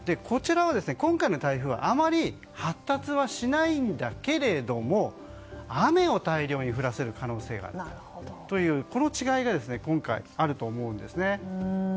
今回の台風はあまり発達はしないんだけれども雨を大量に降らせる可能性があるというこの違いが、今回あると思うんですね。